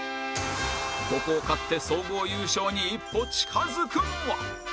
ここを勝って総合優勝に一歩近づくのは